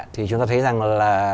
thì chúng ta thấy rằng là